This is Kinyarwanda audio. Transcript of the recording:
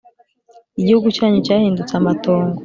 Igihugu cyanyu cyahindutse amatongo,